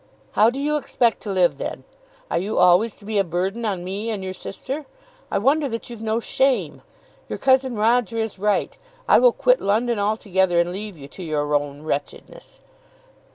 "How do you expect to live, then? Are you always to be a burden on me and your sister? I wonder that you've no shame. Your cousin Roger is right. I will quit London altogether, and leave you to your own wretchedness."